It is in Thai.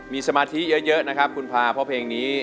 มีสมาธิเยอะนะครับคุณพาเพราะเพลงนี้